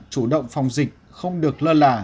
chủ động phòng dịch không được lơ là